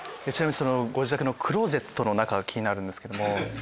ご自宅のクローゼットの中が気になるんですけども。